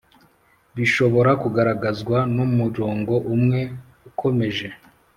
bishobora kugaragazwa n'umurongo umwe ukomeje